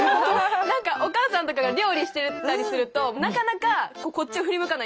何かお母さんとかが料理してたりするとなかなかこっちを振り向かないんですよ。